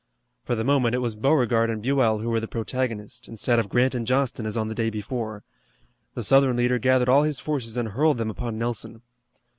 For the moment it was Beauregard and Buell who were the protagonists, instead of Grant and Johnston as on the day before. The Southern leader gathered all his forces and hurled them upon Nelson.